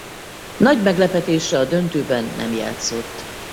Nagy meglepetésre a döntőben nem játszott.